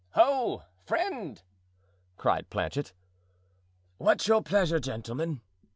"Ho! friend," cried Planchet. "What's your pleasure, gentlemen?"